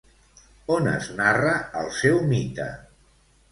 On es narra el seu mite?